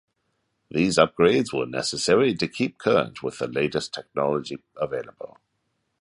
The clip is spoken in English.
These upgrades were necessary to keep current with the latest technology available.